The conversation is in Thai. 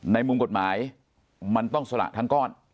ในมุมกฎหมายมันต้องสละทั้งก้อน